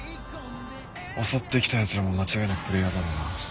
襲ってきたヤツらも間違いなくプレイヤーだろうな。